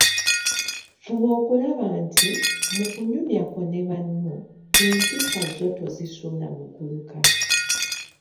Fuba okulaba nti, mu kunyumya kwo ne banno, empisa zo tozisuula mu guluka.